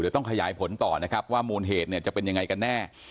เดี๋ยวต้องขยายผลต่อนะครับว่ามูลเหตุเนี่ยจะเป็นยังไงกันแน่